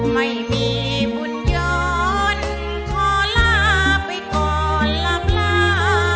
ไม่มีบุญย้อนขอลาไปก่อนหลับลา